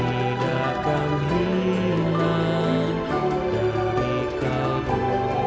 tidakkan hilangku dari kamu